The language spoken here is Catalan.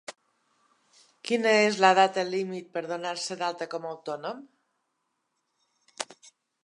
Quina és la data límit per donar-se d'alta com a autònom?